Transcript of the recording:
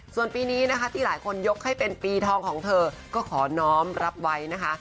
ส่วนปีนี้นะคะที่หลายคนยกให้เป็นปีทองของเธอก็ขอน้องรับไว้นะคะ